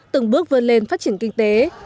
từng bước vươn lên phát triển kinh tế